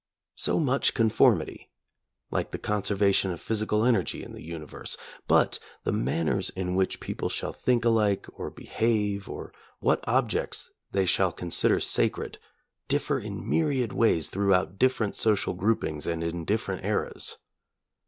So much conformity, like the conservation of physical energy in the universe, but the manners in which people shall think alike, or behave, or what ob jects they shall consider sacred, differ in myriad ways throughout different social groupings and in different eras.